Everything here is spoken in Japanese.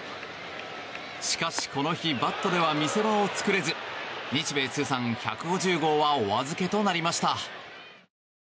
しかし、この日バットでは見せ場を作れず日米通算１５０号はお預けとなりました。